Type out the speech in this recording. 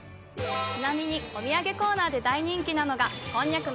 ちなみにお土産コーナーで大人気なのが。